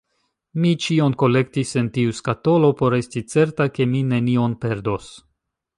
Mi ĉion kolektis en tiu skatolo por esti certa, ke mi nenion perdos.